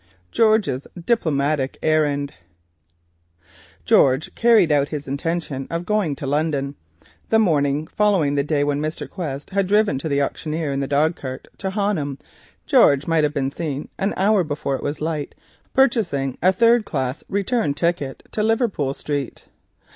GEORGE'S DIPLOMATIC ERRAND George carried out his intention of going to London. On the second morning after the day when Mr. Quest had driven the auctioneer in the dog cart to Honham, he might have been seen an hour before it was light purchasing a third class return ticket to Liverpool Street.